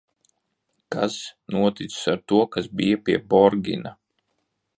Kas noticis ar to, kas bija pie Borgina?